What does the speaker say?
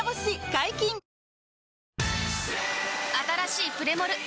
解禁‼あたらしいプレモル！